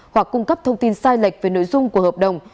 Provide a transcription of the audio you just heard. hoặc cung cấp thông tin sai lệch về nội dung của hợp đồng